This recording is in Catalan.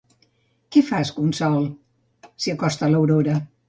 Què fas, Consol? —s'hi acosta l'Aurora.